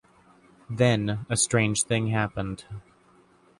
Then a strange thing happened.